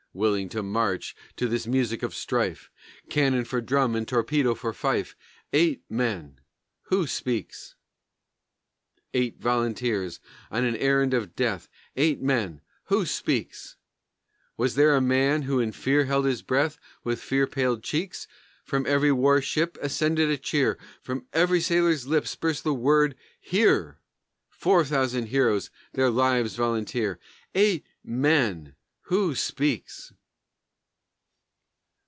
Willing to march to this music of strife, Cannon for drum and torpedo for fife? Eight men! Who speaks? Eight volunteers! on an errand of death! Eight men! Who speaks? Was there a man who in fear held his breath? With fear paled cheeks? From ev'ry war ship ascended a cheer! From ev'ry sailor's lips burst the word "Here!" Four thousand heroes their lives volunteer! Eight men! Who speaks?